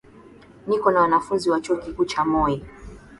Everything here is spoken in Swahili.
Niko na wanafunzi wa chuo kikuu cha Moi